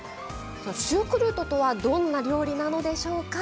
「シュークルート」とはどんな料理なのでしょうか？